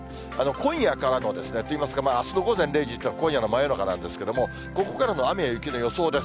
今夜からの、といいますか、あすの午前０時というのは今夜の真夜中なんですけれども、ここからの雨や雪の予想です。